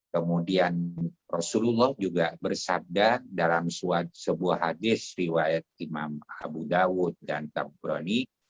kemudian rasulullah juga bersabda dalam sebuah hadis riwayat imam abu dawud dan tabronik